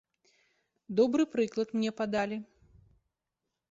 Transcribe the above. Добры прыклад мне падалі.